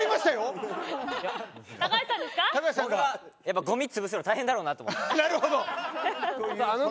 僕がやっぱりごみつぶすの大変だろうなと思って。